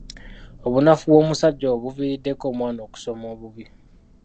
Obunafu bw'omusajja oyo buviiriddeko omwana okusoma obubi.